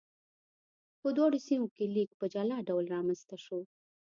په دواړو سیمو کې لیک په جلا ډول رامنځته شو.